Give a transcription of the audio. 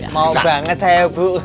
mau banget saya bu